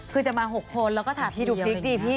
คือจะมา๖คนแล้วก็ถาดนี้